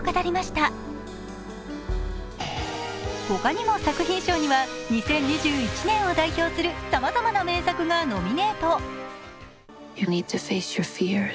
他にも作品賞には２０２１年を代表するさまざまな名作がノミネート。